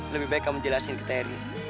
lebih baik kamu jelasin ke tni